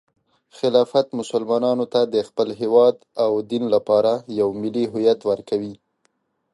خلافت مسلمانانو ته د خپل هیواد او دین لپاره یو ملي هویت ورکوي.